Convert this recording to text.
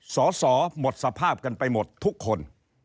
สอสอหมดสภาพกันไปหมดทุกคน